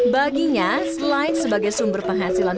baginya slide sebagai sumber penghasilan